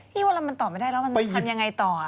เวลามันตอบไม่ได้แล้วมันทำยังไงต่อ